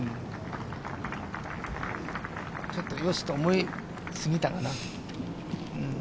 ちょっと「よし」と思いすぎたかな。